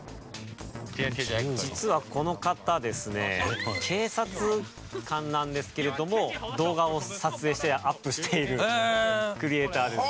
実はこの方ですね警察官なんですけれども動画を撮影してアップしているクリエーターです。